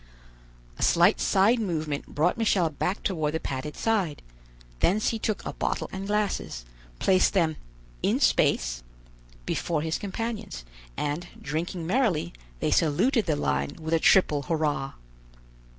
A slight side movement brought Michel back toward the padded side; thence he took a bottle and glasses, placed them "in space" before his companions, and, drinking merrily, they saluted the line with a triple hurrah.